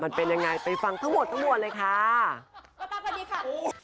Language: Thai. มันเป็นอย่างไรไปฟังทั้งหมดเลยค่ะ